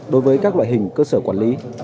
đối với các loại hình cơ sở quản lý